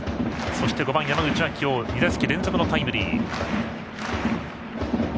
そして５番、山口は２打席連続のタイムリー。